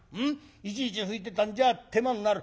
いちいち拭いてたんじゃ手間になる。